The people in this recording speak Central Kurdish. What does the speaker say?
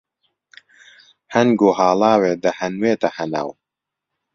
هەنگ و هاڵاوێ دەهەنوێتە هەناو